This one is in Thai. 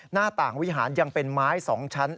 หน้าต่างวิหารยังเป็นไม้๒ชั้น